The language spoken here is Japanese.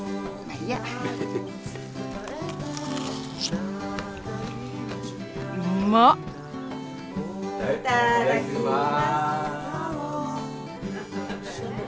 いただきます。